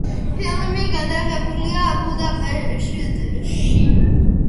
ფილმი გადაღებულია ბუდაპეშტში.